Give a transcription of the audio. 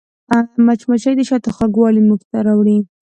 مچمچۍ د شاتو خوږوالی موږ ته راوړي